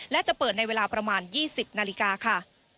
และจะเปิดในเวลาประมาณ๒๐นาฬิกาค่ะ